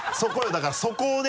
だからそこをね。